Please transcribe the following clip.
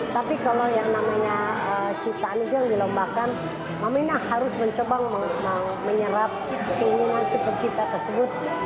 tapi kalau yang namanya ciptaan itu yang dilombakan mama mina harus mencoba menyerap keinginan si pencipta tersebut